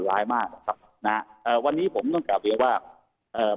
ร้ายมากนะครับนะฮะเอ่อวันนี้ผมต้องกลับเรียนว่าเอ่อ